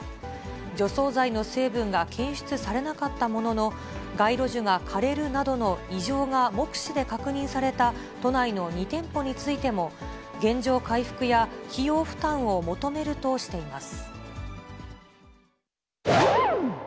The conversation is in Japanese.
除草剤の成分が検出されなかったものの、街路樹が枯れるなどの異常が目視で確認された、都内の２店舗についても、原状回復や費用負担を求めるとしています。